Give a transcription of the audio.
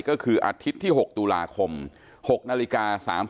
ก็คืออาทิตย์ที่๖ตุลาคม๖นาฬิกา๓๐